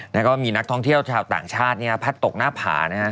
แล้วก็มีนักท้องเที่ยวชาวต่างชาติพัดตกหน้าผา